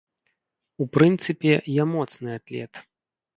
У прынцыпе, я моцны атлет.